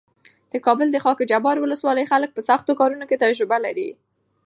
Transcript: د کابل د خاکجبار ولسوالۍ خلک په سختو کارونو کې تجربه لري.